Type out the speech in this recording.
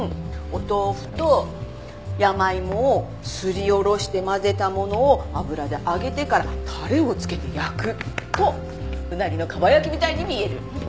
お豆腐と山芋をすりおろして混ぜたものを油で揚げてからタレを付けて焼くと鰻の蒲焼きみたいに見える。